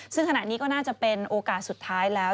ซึ่งขณะนี้ก็น่าจะเป็นโอกาสสุดท้ายแล้ว